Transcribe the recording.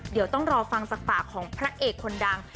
เดี๋ยวต้องรอฟังจากปากของพระเอกคนดัง